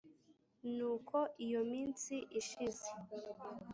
Nuko iyo minsi ishize